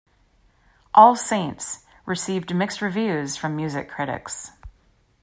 "All Saints" received mixed reviews from music critics.